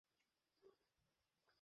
Please, মাফ করবেন, Mrs Krementz.